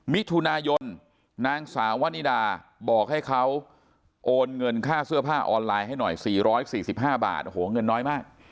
มิถุนายนนางสาววันนิดาบอกให้เขาโอนเงินค่าเสื้อผ้าออนไลน์ให้หน่อย๔๔๕บาทโอ้โหเงินน้อยมาก